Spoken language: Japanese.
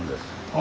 あ。